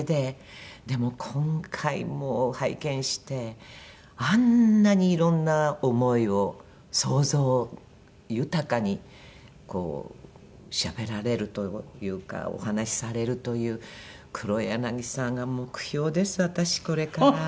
でも今回拝見してあんなにいろんな思いを想像豊かにこうしゃべられるというかお話しされるという黒柳さんが目標です私これから。